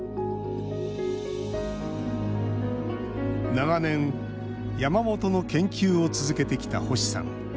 長年山本の研究を続けてきた星さん。